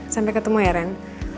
sampai ketemu ya ren